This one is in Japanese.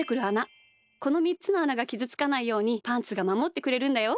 この３つのあながきずつかないようにパンツがまもってくれるんだよ。